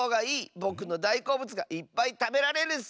ぼくのだいこうぶつがいっぱいたべられるッス！